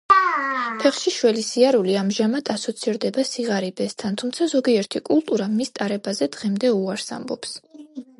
ფეხშიშველი სიარული ამჟამად ასოცირდება სიღარიბესთან, თუმცა ზოგიერთი კულტურა მის ტარებაზე დღემდე უარს ამბობს.